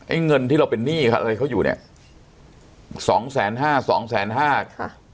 เงินที่เราเป็นหนี้ค่ะอะไรเขาอยู่เนี่ยสองแสนห้าสองแสนห้าค่ะ